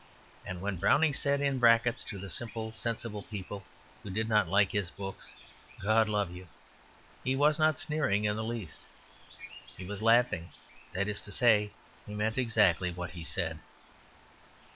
And when Browning said in brackets to the simple, sensible people who did not like his books, "God love you!" he was not sneering in the least. He was laughing that is to say, he meant exactly what he said.